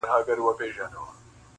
زه د رباب زه د شهباز په ژبه نظم لیکم -